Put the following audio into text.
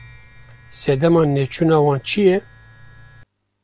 Sedema neçûna wan çi ye?